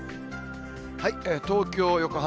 東京、横浜